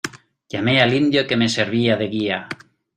llamé al indio que me servía de guía.